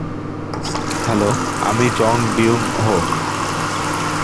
Hello, আমি Jung বিউং-হো।